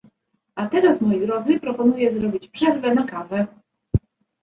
a teraz moi Drodzy, proponuję zrobić przerwę na kawę!